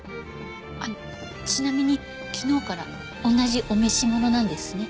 あのちなみに昨日から同じお召し物なんですね。